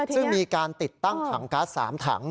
ซึ่งมีการติดตั้งถังก๊าซ๓ถัง